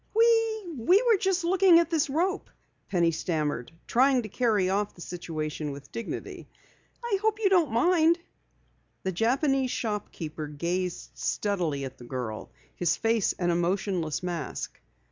"We we were just looking at this rope," Penny stammered, trying to carry off the situation with dignity. "I hope you don't mind." The Japanese shopkeeper gazed steadily at the girl, his face an emotionless mask.